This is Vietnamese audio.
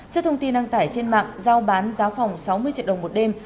trước thông tin đăng tải trên mạng giao bán giá phòng sáu mươi triệu đồng một đêm